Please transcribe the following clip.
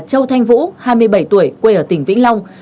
châu thanh vũ hai mươi bảy tuổi quê ở tỉnh vĩnh long